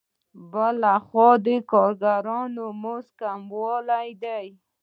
بل خوا د کارګرانو د مزد کموالی دی